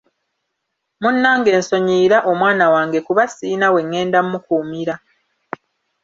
Munnange nsonyiyira omwana wange kuba siyina wengenda mukuumira.